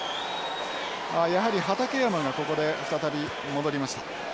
やはり畠山がここで再び戻りました。